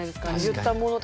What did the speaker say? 言ったもの